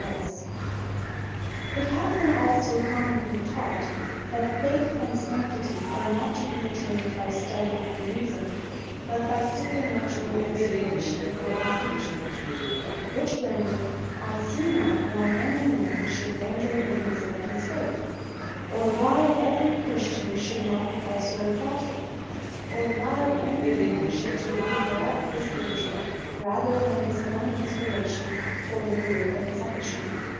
Pretence Of Inspiration It hath been also commonly taught, "That Faith and Sanctity, are not to be attained by Study and Reason, but by supernaturall Inspiration, or Infusion," which granted, I see not why any man should render a reason of his Faith; or why every Christian should not be also a Prophet; or why any man should take the Law of his Country, rather than his own Inspiration, for the rule of his action.